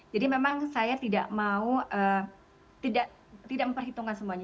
jadi memang saya tidak mau tidak memperhitungkan semuanya